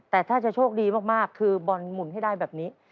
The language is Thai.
แต่ถ้าจะโชคดีมากคือบอลหมุนให้ได้แบบนี้